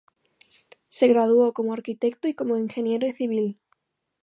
Se graduó como arquitecto y como ingeniero civil.